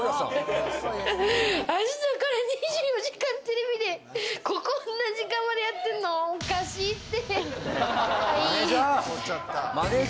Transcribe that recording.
あしたから『２４時間テレビ』でこんな時間までやってるの、おかしいって。